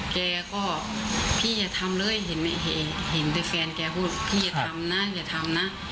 แกก็พี่อย่าทำเลยเห็นแต่แฟนแกพูดพี่อย่าทำนะอย่าทำนะ